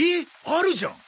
あるじゃん！